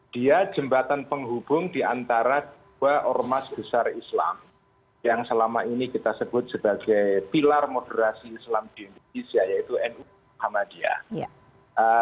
dia jembatan penghubung di antara dua ormas besar islam yang selama ini kita sebut sebagai pilar moderasi islam di indonesia yaitu nu muhammadiyah